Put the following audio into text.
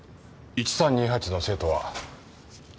１３２８の生徒は？